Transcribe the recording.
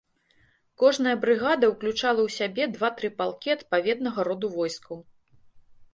Кожная брыгада ўключала ў сябе два-тры палкі адпаведнага роду войскаў.